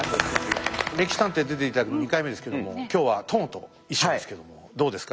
「歴史探偵」に出て頂くの２回目ですけども今日は殿と一緒ですけどもどうですか？